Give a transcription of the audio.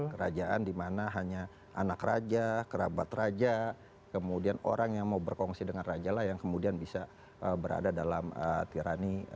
kerajaan dimana hanya anak raja kerabat raja kemudian orang yang mau berkongsi dengan raja lah yang kemudian bisa berada dalam tirani